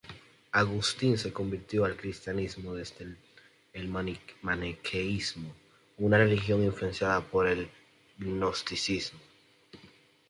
Agustín se convirtió al cristianismo desde el maniqueísmo, una religión influenciada por el gnosticismo.